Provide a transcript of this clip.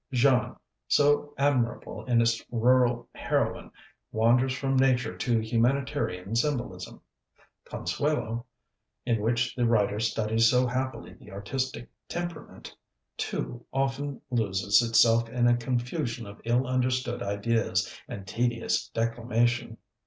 Jeanne, so admirable in its rural heroine, wanders from nature to humanitarian symbolism; Consuelo, in which the writer studies so happily the artistic temperament, too often loses itself in a confusion of ill understood ideas and tedious declamation.